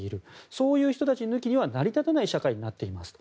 そういう人たち抜きには成り立たない社会になっていると。